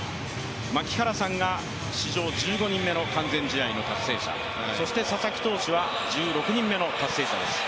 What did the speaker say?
槙原さんが史上１５人目の完全試合の達成者そして佐々木投手は１６人目の達成者です。